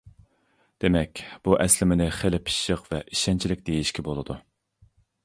دېمەك، بۇ ئەسلىمىنى خېلى پىششىق ۋە ئىشەنچلىك دېيىشكە بولىدۇ.